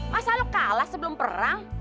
masa lalu kalah sebelum perang